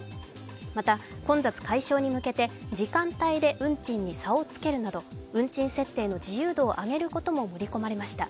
また混雑解消に向けて時間帯で運賃に差をつけるなど運賃設定の自由度を上げることも盛り込まれました。